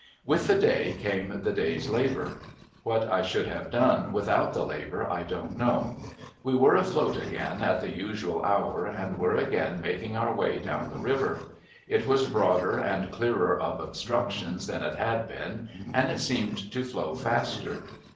With the day, came the day's labour. What I should have done without the labour, I don't know. We were afloat again at the usual hour, and were again making our way down the river. It was broader, and clearer of obstructions than it had been, and it seemed to flow faster.